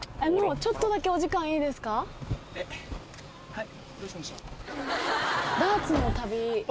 はい。